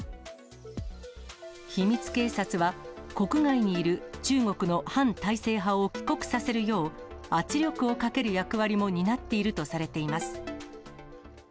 秘密警察は、国外にいる中国の反体制派を帰国させるよう、圧力をかける役割も担っているとされています。